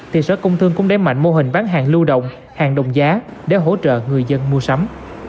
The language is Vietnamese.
thì sở công thương cũng đẩy mạnh mô hình bán hàng lưu động hàng đồng giá để hỗ trợ người dân mua sắm